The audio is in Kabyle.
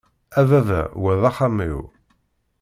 A baba, wa d axxam-iw!